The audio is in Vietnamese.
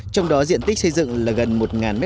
trong đó diện tích xây dựng là gần một m hai